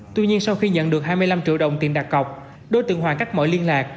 tuy nhiên sau khi nhận được hai mươi năm triệu đồng tiền đặt cọc đối tượng hoàng cắt mở liên lạc